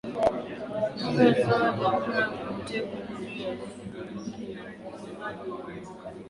Guver Dzhon Edgar Kuvutia ukweli juu ya yeye ni nyingi na si wote wanaweza